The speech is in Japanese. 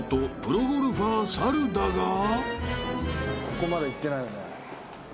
ここまだ行ってないよね。